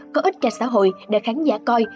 có ích cho xã hội để khán giả coi